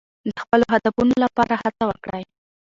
د خپلو هدفونو لپاره هڅه وکړئ.